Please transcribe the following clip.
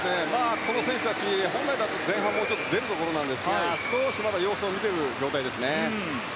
この選手たち本来だと前半もう少し出るところなんですが少し、まだ様子を見ている状態ですね。